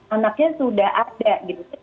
anaknya sudah ada gitu